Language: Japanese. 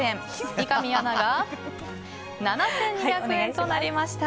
三上アナが７２００円となりました。